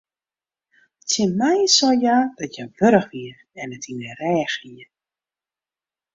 Tsjin my sei hja dat hja wurch wie en it yn de rêch hie.